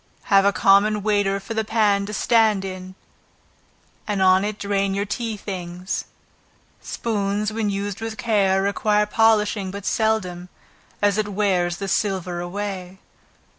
Have a common waiter for the pan to stand in and on it drain your tea things. Spoons when used with care, require polishing but seldom, as it wears the silver away.